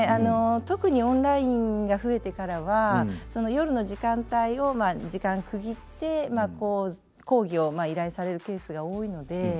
特にオンラインが増えてからは夜の時間帯を時間区切って講義を依頼されるケースが多いので。